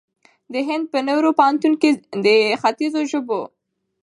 د هند په نهرو پوهنتون کې د خیتځو ژبو